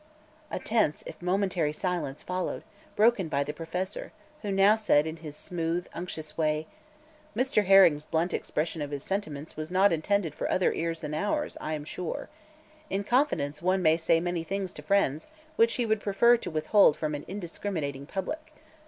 A tense, if momentary silence, followed, broken by the Professor, who now said in his smooth, unctuous way: "Mr. Herring's blunt expression of his sentiments was not intended for other ears than ours, I am sure. In confidence, one may say many things to friends which he would prefer to withhold from an indiscriminating public.